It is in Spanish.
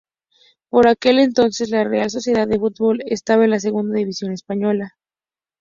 Por aquel entonces la Real Sociedad de Fútbol estaba en la Segunda división española.